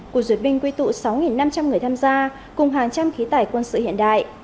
cuộc duyệt binh quy tụ sáu năm trăm linh người tham gia cùng hàng trăm khí tài quân sự hiện đại